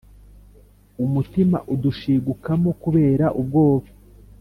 umutima udushigukamo kubera ubwoba